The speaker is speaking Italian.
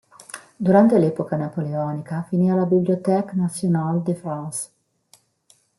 Durante l'epoca napoleonica finì alla Bibliothèque nationale de France.